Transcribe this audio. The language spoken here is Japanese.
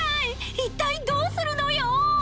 一体、どうするのよ？